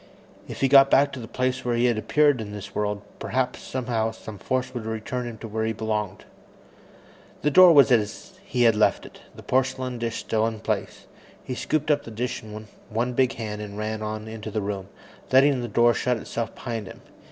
If he got back to the place where he had appeared in this world, perhaps somehow some force would return him to where he belonged. The door was as he had left it, the porcelain dish still in place. He scooped up the dish in one big hand and ran on into the room, letting the door shut itself behind him.